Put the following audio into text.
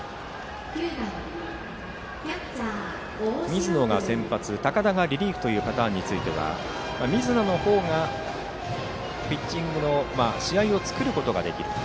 水野が先発、高田がリリーフというパターンについては水野の方が試合を作ることができる。